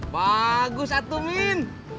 bagus atu min